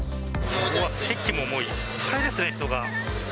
席ももういっぱいですね、人が。